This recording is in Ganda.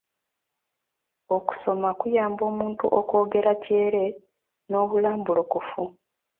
Okusoma kuyamba omuntu okwogera kyere n'obulambulukufu.